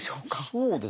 そうですね。